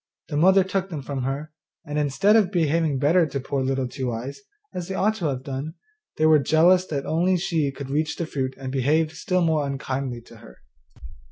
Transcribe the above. The mother took them from her, and, instead of behaving better to poor Little Two eyes, as they ought to have done, they were jealous that she only could reach the fruit and behaved still more unkindly to her.